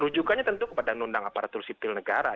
rujukannya tentu kepada nundang aparatur sipil negara